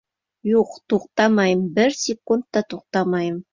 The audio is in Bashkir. Юҡ, туҡтамайым, бер секунд туҡтамайым!